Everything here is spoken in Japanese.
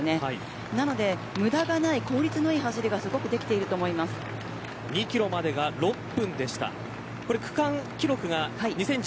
なので無駄がない効率のいい走りができている２キロまでが６分でした。